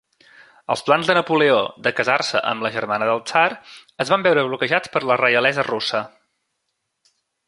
El plans de Napoleó de casar-se amb la germana del tsar es van veure bloquejats per la reialesa russa.